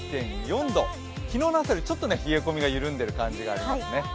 昨日の朝よりちょっと冷え込みが緩んでいる感じがあります。